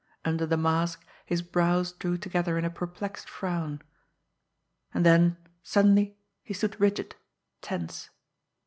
Under the mask, his brows drew together in a perplexed frown. And then suddenly he stood rigid, tense.